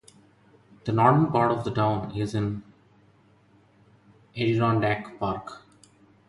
The northern part of the town is in the Adirondack Park.